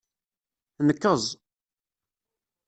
Nkeẓ.